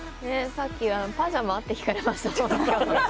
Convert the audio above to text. さっき、パジャマ？って聞かれました。